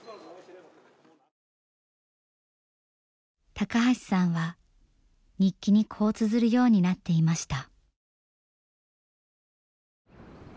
高橋さんは日記にこうつづるようになっていました。